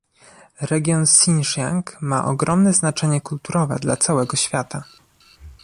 Region Sinciang ma ogromne znaczenie kulturowe dla całego świata